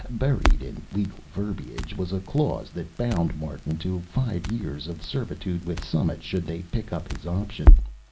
Buried in legal verbiage was a clause that bound Martin to five years of servitude with Summit should they pick up his option.